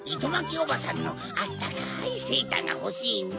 おばさんのあったかいセーターがほしいんだ。